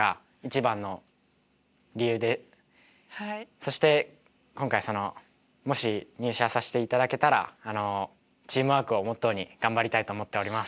そして今回そのもし入社さしていただけたらあのチームワークをモットーに頑張りたいと思っております。